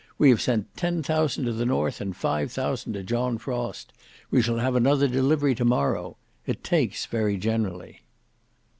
We have sent ten thousand to the north and five thousand to John Frost. We shall have another delivery tomorrow. It takes very generally."